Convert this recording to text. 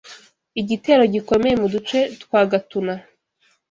igitero gikomeye mu duce twa Gatuna